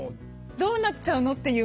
「どうなっちゃうの？」っていう